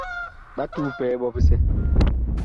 Ɓa tuu pɛɛ ɓɔ bisɛ.